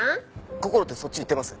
こころってそっち行ってます？